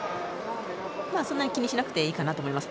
そんなに気にしなくていいかなと思います。